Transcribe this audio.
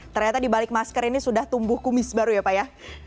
ternyata dibalik masker ini sudah tumbuh kumis baru ya pak ya